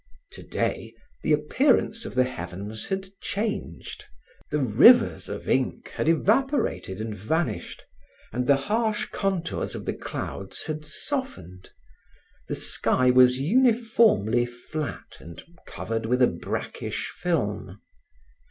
Today, the appearance of the heavens had changed. The rivers of ink had evaporated and vanished, and the harsh contours of the clouds had softened. The sky was uniformly flat and covered with a brackish film.